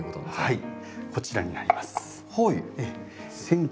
はい。